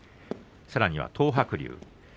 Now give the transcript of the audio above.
さらには東白龍。